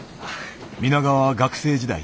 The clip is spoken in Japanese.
皆川は学生時代